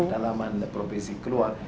dalaman dan provinsi keluar